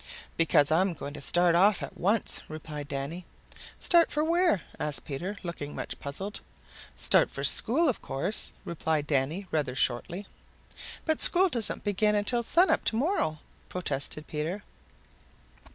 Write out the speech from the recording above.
"Because I am going to start at once," replied Danny. "Start for where?" asked Peter, looking much puzzled. "Start for school of course," replied Danny rather shortly. "But school doesn't begin until sun up to morrow," protested Peter.